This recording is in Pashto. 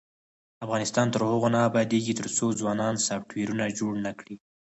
افغانستان تر هغو نه ابادیږي، ترڅو ځوانان سافټویرونه جوړ نکړي.